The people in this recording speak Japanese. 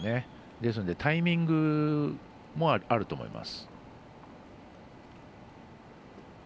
ですのでタイミングもあると思います。